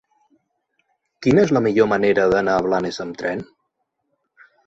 Quina és la millor manera d'anar a Blanes amb tren?